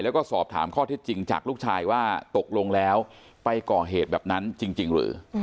แล้วก็สอบถามข้อเท็จจริงจากลูกชายว่าตกลงแล้วไปก่อเหตุแบบนั้นจริงหรือ